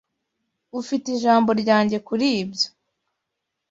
Ufite ijambo ryanjye kuri ibyo.